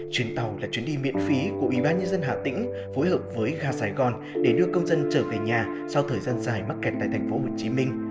chuyến tàu là chuyến đi miễn phí của ủy ban nhân dân hà tĩnh phối hợp với gà sài gòn để đưa công dân trở về nhà sau thời gian dài mắc kẹt tại thành phố hồ chí minh